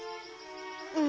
うん。